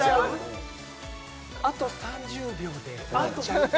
あと３０秒で終わっちゃう？